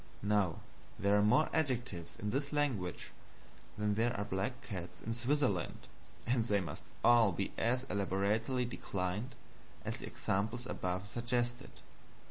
Now there are more adjectives in this language than there are black cats in Switzerland, and they must all be as elaborately declined as the examples above suggested.